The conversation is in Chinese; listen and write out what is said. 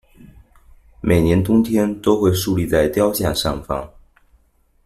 每年冬天，都会竖立在雕像上方。